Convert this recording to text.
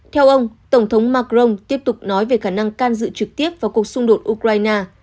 theo ông tổng thống macron tiếp tục nói về khả năng can dự trực tiếp vào cuộc xung đột ukraine